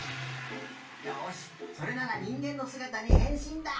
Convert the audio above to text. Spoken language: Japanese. よしそれならにんげんのすがたにへんしんだ！